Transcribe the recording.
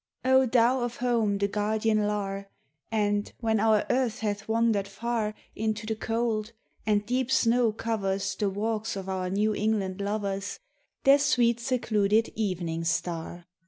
O thou of home the guardiau Lar, Aud, when our earth hath wandered far Into the cold, and deep snow covers The walks of our New England lovers, Their sweet secluded evening star!